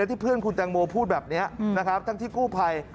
ที่เพื่อนคุณแตงโมพูดแบบนี้นะครับทั้งที่กู้ภัย